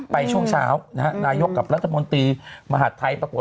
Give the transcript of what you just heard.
ช่วงเช้านะฮะนายกกับรัฐมนตรีมหาดไทยปรากฏ